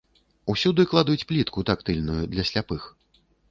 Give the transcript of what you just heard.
Усюды кладуць плітку тактыльную для сляпых.